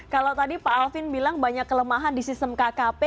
kalau tadi pak alvin bilang banyak kelemahan di sistem kkp